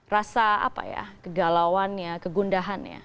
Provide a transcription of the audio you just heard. rasa apa ya kegalauannya kegundahannya